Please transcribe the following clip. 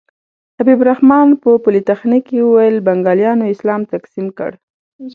حبیب الرحمن په پولتخنیک کې وویل بنګالیانو اسلام تقسیم کړ.